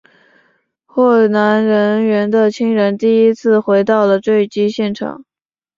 罹难人员的亲人第一次回到了坠机现场。